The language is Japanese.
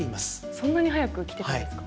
そんなに早く来ていたんですか。